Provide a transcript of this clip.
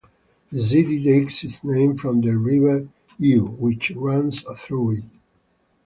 The city takes its name from the river Jiu, which runs through it.